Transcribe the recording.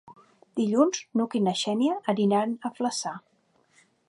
Dilluns n'Hug i na Xènia aniran a Flaçà.